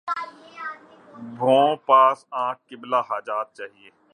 بھَوں پاس آنکھ قبلۂِ حاجات چاہیے